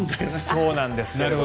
そうなんです。